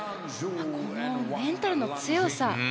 このメンタルの強さ。